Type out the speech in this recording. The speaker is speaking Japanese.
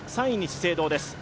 ３位に資生堂です。